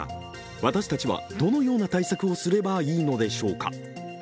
私たちはどのような対策をすればいいのでしょうか。